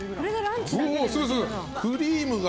クリームが！